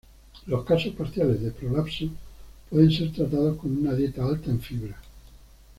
Los casos parciales de prolapso pueden ser tratados con una dieta alta en fibra.